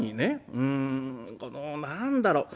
うんこの何だろう